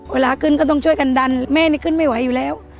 เวลาขึ้นก็ต้องช่วยกันดันแม่นี่ขึ้นไม่ไหวอยู่แล้ว